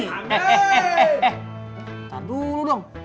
bentar dulu dong